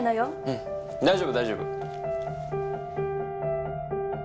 うん大丈夫大丈夫！